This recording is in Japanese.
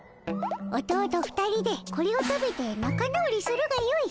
おとおと２人でこれを食べてなか直りするがよい。